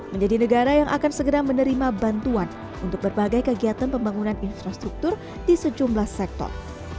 menjadi negara yang akan segera menerima bantuan untuk berbagai kegiatan pembangunan infrastruktur di sejumlah sektor